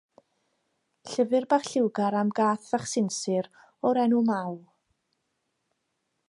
Llyfr bach lliwgar am gath fach sinsir o'r enw Maw.